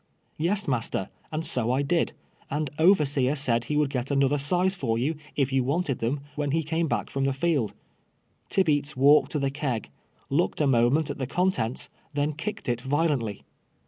" Yes, master, and so I did ; and overseer said he would get another size for you, if you wanted them, when he came back from the field." Tibeats walked to the keg, looked a moment at the contents, then kicked it violently.